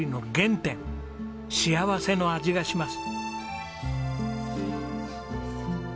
幸せの味がします。